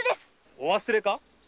お忘れか？